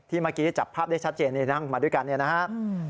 เมื่อกี้จับภาพได้ชัดเจนนี่นั่งมาด้วยกันเนี่ยนะครับ